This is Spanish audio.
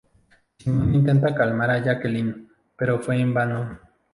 Simon intenta calmar a Jacqueline, pero fue en vano.